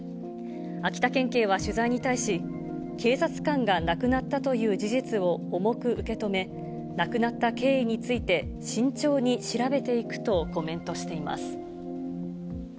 秋田県警は取材に対し、警察官が亡くなったという事実を重く受け止め、亡くなった経緯について慎重に調べていくとコメントしています。